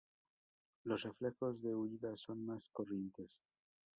Los reflejos de huida son más corrientes.